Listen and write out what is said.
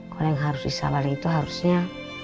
kalau yang harus disalari itu harusnya